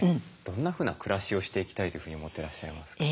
どんなふうな暮らしをしていきたいというふうに思ってらっしゃいますか？